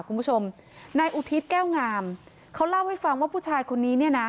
คุณผู้ชมนายอุทิศแก้วงามเขาเล่าให้ฟังว่าผู้ชายคนนี้เนี่ยนะ